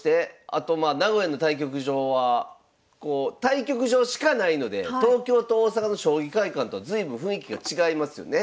あとまあ名古屋の対局場は対局場しかないので東京と大阪の将棋会館とは随分雰囲気が違いますよね。